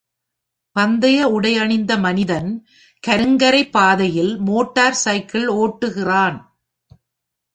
பந்தய உடை அணிந்த மனிதன், கருங்கரை பாதையில் மோட்டார் சைக்கிள் ஓட்டுகிறான்.